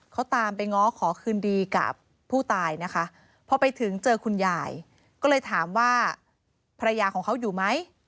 เขาตามไปง้อขอคืนดีกับผู้ตายนะคะพอไปถึงเจอคุณยายก็เลยถามว่าภรรยาของเขาอยู่ไหม